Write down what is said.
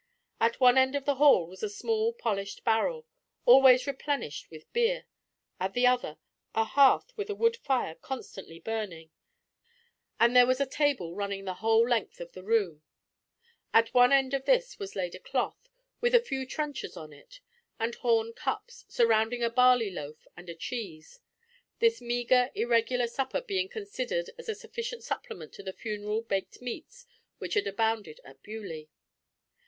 At one end of the hall was a small polished barrel, always replenished with beer, at the other a hearth with a wood fire constantly burning, and there was a table running the whole length of the room; at one end of this was laid a cloth, with a few trenchers on it, and horn cups, surrounding a barley loaf and a cheese, this meagre irregular supper being considered as a sufficient supplement to the funeral baked meats which had abounded at Beaulieu.